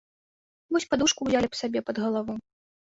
Вось падушку ўзялі б сабе пад галаву.